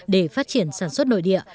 để phát triển sản xuất nội địa